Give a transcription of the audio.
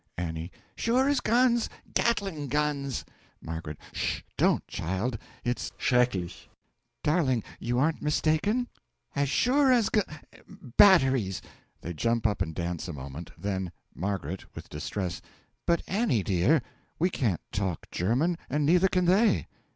A. Sure as guns Gatling guns! M. 'Sh! don't, child, it's schrecklich! Darling you aren't mistaken? A. As sure as g batteries! (They jump up and dance a moment then ) M. (With distress.) But, Annie dear! we can't talk German and neither can they!